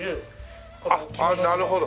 あっなるほど。